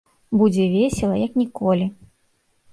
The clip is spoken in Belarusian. Будзе весела, як ніколі.